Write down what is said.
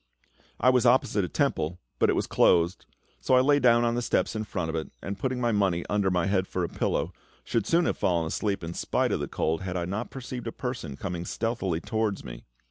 I was opposite a temple, but it was closed; so I lay down on the stone steps in front of it, and putting my money under my head for a pillow, should soon have been asleep in spite of the cold had I not perceived a person coming stealthily towards me.